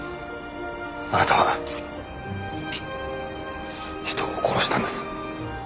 あなたは人を殺したんです。